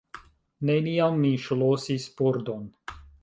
Neniam mi ŝlosis pordon.